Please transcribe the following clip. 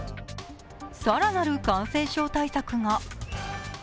更なる感染症対策が。